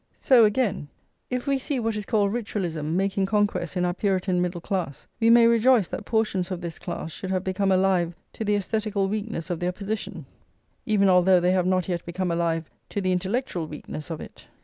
So, again, if we see what is called ritualism making conquests in our Puritan middle class, we may rejoice that portions of this class should have become alive to the aesthetical weakness of their position, even although they have not yet become alive to the intellectual weakness of it.